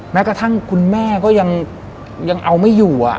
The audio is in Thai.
แม้กระทั่งคุณแม่ก็ยังเอาไม่อยู่